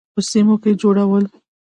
په سیمو کې جوړول.